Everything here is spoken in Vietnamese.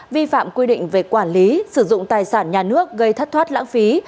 vi phạm quy định về quản lý sử dụng tài sản nhà nước gây thất thoát lãng phí